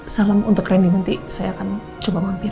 salam untuk randy nanti saya akan coba mampir